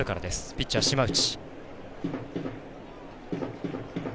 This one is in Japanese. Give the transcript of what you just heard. ピッチャー、島内。